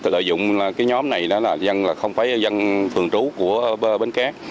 lợi dụng nhóm này là không phải dân phường trú của bến cát